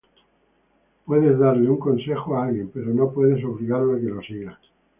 Puedes darle un consejo a alguien, pero no puedes obligarlo a que lo siga.